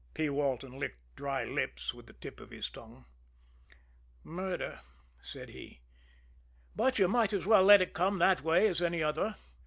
P. Walton licked dry lips with the tip of his tongue. "Murder," said he. "But you might as well let it come that way as any other.